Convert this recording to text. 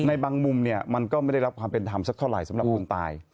ในบางมุมเนี่ยมันก็ไม่ได้รับความเป็นธรรมสักเท่าไหร่สำหรับคนตาย